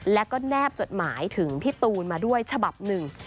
แล้วก็แนบจดหมายถึงพี่ตูนมาด้วยฉบับหนึ่ง